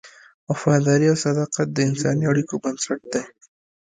وفاداري او صداقت د انساني اړیکو بنسټ دی.